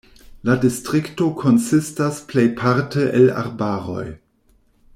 La distrikto konsistas plejparte el arbaroj.